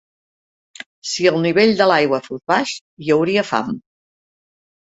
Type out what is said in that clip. Si el nivell de l'aigua fos baix, hi hauria fam.